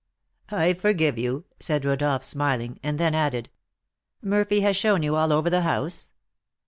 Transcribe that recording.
"I forgive you," said Rodolph, smiling; and then added, "Murphy has shown you all over the house?"